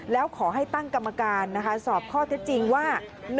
แล้วขอให้ตั้งกรรมการสอบข้อเท็จจริงว่า